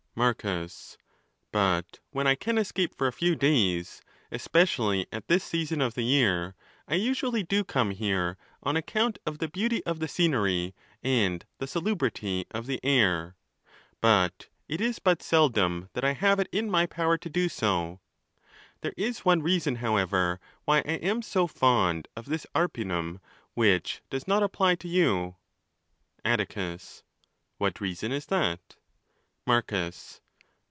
'Marcus.—But when I can escape bon a few days, especially at this season of the year, I usually do come here, on account of the beauty of the scenery and the salubrity of the air; but ASS: ON THE LAWS. it is but seldom that I have it in my power to do so. There is one reason, however, why I am so fond of this Arpinum, whicn does not apply to you. A tticus,—What reason is that ? Marcus.